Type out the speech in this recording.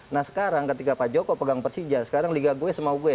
nah sekarang ketika pak joko pegang persija sekarang liga gue sama gue ya